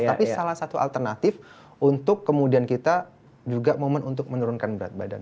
tapi salah satu alternatif untuk kemudian kita juga momen untuk menurunkan berat badan